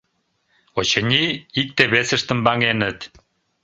Очыни, икте-весыштым ваҥеныт.